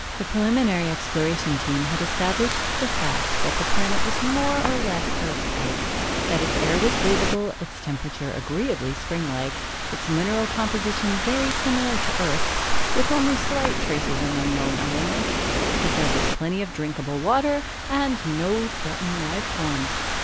The preliminary exploration team had established the fact that the planet was more or less Earth type, that its air was breathable, its temperature agreeably springlike, its mineral composition very similar to Earth's, with only slight traces of unknown elements, that there was plenty of drinkable water and no threatening life forms.